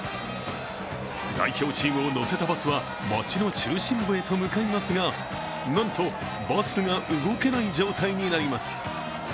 代表チームを乗せたバスは街の中心部へと向かいますが、なんとバスが動けない状態になります。